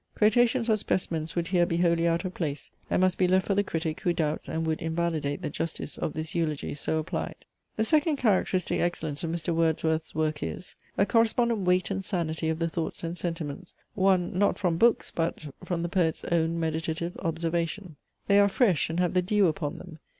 Quotations or specimens would here be wholly out of place, and must be left for the critic who doubts and would invalidate the justice of this eulogy so applied. The second characteristic excellence of Mr. Wordsworth's work is: a correspondent weight and sanity of the Thoughts and Sentiments, won, not from books; but from the poet's own meditative observation. They are fresh and have the dew upon them.